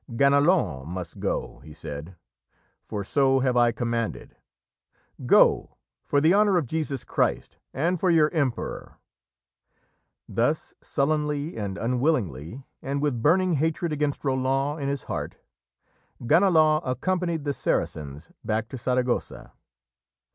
"Ganelon must go," he said, "for so have I commanded. Go! for the honour of Jesus Christ, and for your Emperor." Thus, sullenly and unwillingly, and with burning hatred against Roland in his heart, Ganelon accompanied the Saracens back to Saragossa.